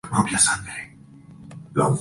Gump y Co.